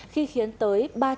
khi khiến tới bệnh viện